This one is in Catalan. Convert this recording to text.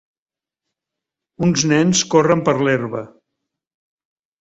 Uns nens corren per l'herba.